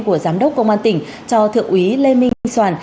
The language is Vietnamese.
của giám đốc công an tỉnh cho thượng úy lê minh soàn